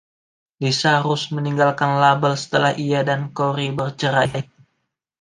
Lisa Rusk meninggalkan label setelah ia dan Corey bercerai.